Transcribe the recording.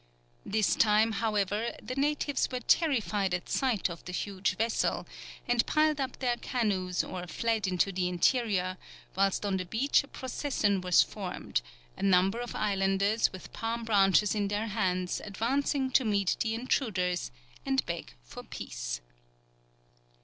This time, however, the natives were terrified at sight of the huge vessel, and piled up their canoes or fled into the interior, whilst on the beach a procession was formed, a number of islanders with palm branches in their hands advancing to meet the intruders and beg for peace.